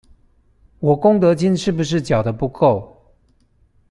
我功德金是不是繳得不夠？